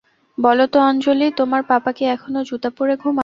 বলো তো অঞ্জলি, তোমার পাপা কি এখনো জুতা পরে ঘুমায়?